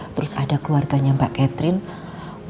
terus ada keluarganya mbak catherine